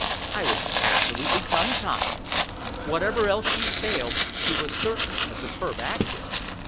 I was absolutely tongue tied. Wherever else she failed, she was certainly a superb actress.